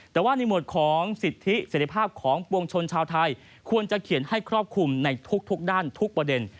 แต่ว่าในหมวดของสิทธิเสร็จภาพของปวงชนชาวไทยควรจะเขียนให้ครอบคลุมในทุกด้านทุกประเด็น